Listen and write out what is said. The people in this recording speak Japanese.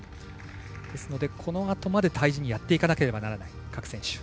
ですので、このあとまで大事にやっていかなければならない各選手。